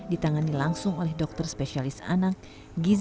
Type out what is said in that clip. ditangani langsung oleh dokter spesialis anak gizi klinik paru dan spesialis lainnya